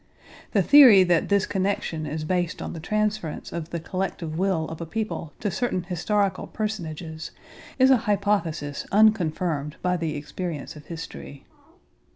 The theory that this connection is based on the transference of the collective will of a people to certain historical personages is an hypothesis unconfirmed by the experience of history.